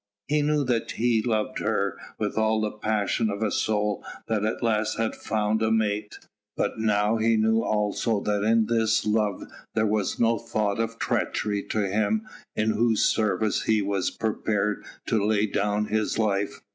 He knew that he loved her with all the passion of a soul that at last hath found a mate. But now he knew also that in this love there was no thought of treachery to Him in Whose service he was prepared to lay down his life.